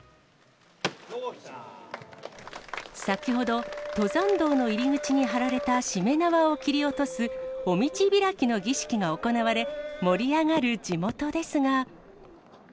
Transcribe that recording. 先ほど、登山道の入り口に張られたしめ縄を切り落とす、お道開きの儀式が行われ、盛り上がる地元ですが。